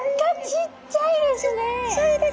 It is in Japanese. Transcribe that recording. ちっちゃいですね。